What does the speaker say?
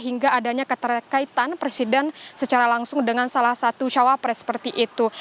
hingga adanya keterkaitan presiden secara langsung dengan salah satu cawapres seperti itu